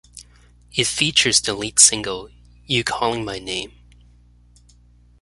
It features the lead single "You Calling My Name".